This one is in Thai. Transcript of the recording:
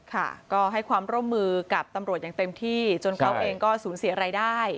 ค่ะก็ให้ความร่วมมือกับตำรวจอย่างเต็มที่จนเขาเองก็สูญเสียรายได้